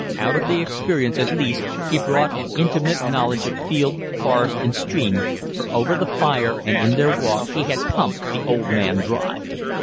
Out of the experience, at least, he brought an intimate knowledge of field, forest, and stream, for over the fire and in their walks he had pumped the old man dry.